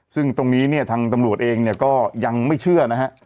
ซึ่งตรงนี้เนี่ยทางตำรวจเองเนี่ยก็ยังไม่เชื่อนะฮะ